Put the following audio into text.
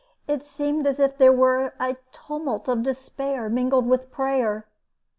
It seemed as if there were a tumult of despair mingled with prayer.